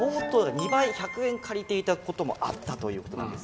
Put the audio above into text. ２倍１００円借りていたこともあったということなんですよね。